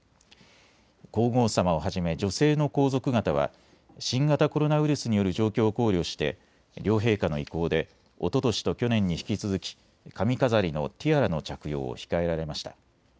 皇后さまをはじめ女性の皇族方は新型コロナウイルスによる状況を考慮して、両陛下の意向でおととしと去年に引き続き髪飾りのティアラの着用を控えられました。